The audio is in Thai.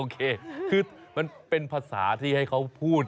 เคคือมันเป็นภาษาที่ให้เขาพูด